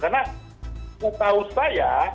karena itu tahu saya